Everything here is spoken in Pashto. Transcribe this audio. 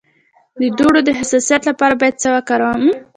د دوړو د حساسیت لپاره باید څه وکاروم؟